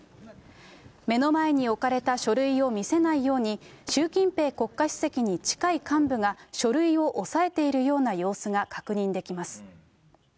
目の前に置かれた書類を見せないように、習近平国家主席に近い幹部が、書類を押さえているような様子が確認できます。